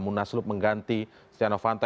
munaslub mengganti stianovanto